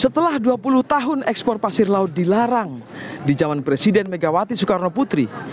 setelah dua puluh tahun ekspor pasir laut dilarang di jaman presiden megawati soekarno putri